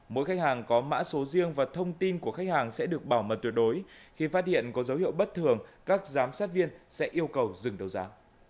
mỗi khách hàng có mã số riêng và thông tin của khách hàng sẽ được bảo mật tuyệt đối khi phát hiện có dấu hiệu bất thường các giám sát viên sẽ yêu cầu dừng đấu giá